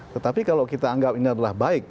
tetapi kalau kita anggap ini adalah baik